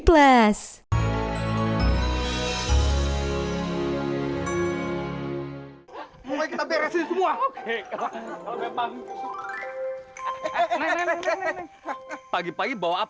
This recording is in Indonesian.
lu mau tuh bakal digusur